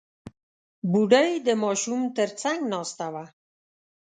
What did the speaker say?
بوډۍ د ماشوم تر څنګ ناسته وه.